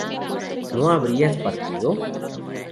¿no habrías partido?